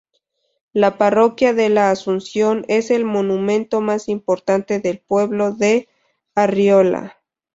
La parroquia de La Asunción es el monumento más importante del pueblo de Arriola.